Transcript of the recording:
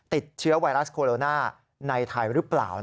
ติดเชื้อไวรัสโคโรนาในไทยหรือเปล่า